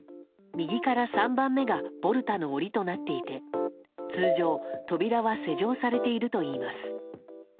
右から３番目がボルタの檻となっていて通常、扉は施錠されているといいます。